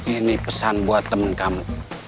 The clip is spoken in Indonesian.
ini pesan buat temen kamu